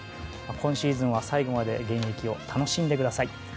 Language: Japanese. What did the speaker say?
今シーズンは最後まで現役を楽しんでください。